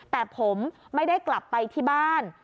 แต่ผมไม่ได้กลับไปที่บ้าน